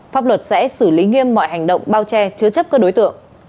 pháp luật sẽ xử lý nghiêm mọi hành động bao che chứa chấp các đối tượng